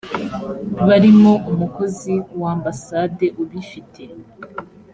barimo umukozi w ambassade ubifite